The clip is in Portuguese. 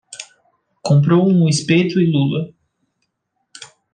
Comprou um espeto e lula